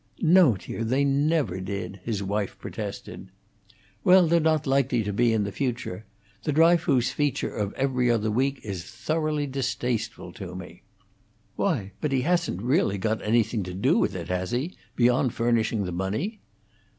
"No, dear, they never did," his wife protested. "Well, they're not likely to be in the future. The Dryfoos feature of 'Every Other Week' is thoroughly distasteful to me." "Why, but he hasn't really got anything to do with it, has he, beyond furnishing the money?"